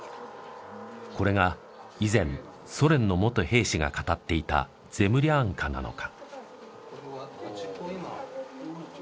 これが以前ソ連の元兵士が語っていたゼムリャンカなのか。